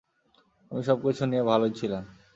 আমি সবকিছু নিয়ে ভালোই ছিলাম।